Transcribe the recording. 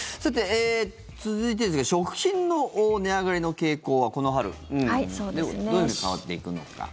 続いてですが食品の値上がりの傾向はこの春、どういうふうに変わっていくのか。